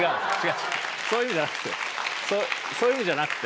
そういう意味じゃなくてそういう意味じゃなくて。